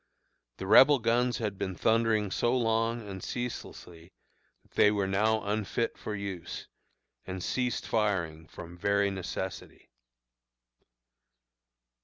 The Rebel guns had been thundering so long and ceaselessly that they were now unfit for use, and ceased firing from very necessity.